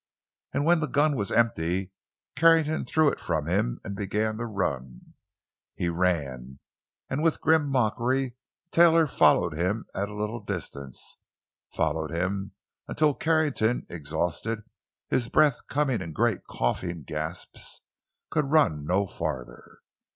And when the gun was empty, Carrington threw it from him and began to run. He ran, and with grim mockery, Taylor followed him a little distance—followed him until Carrington, exhausted, his breath coming in great coughing gasps, could run no farther.